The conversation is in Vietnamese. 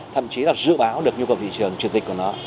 thậm chí là dự báo được nhu cầu thị trường truyền dịch của nó